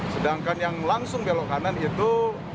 sedangkan yang langsung belok kanan itu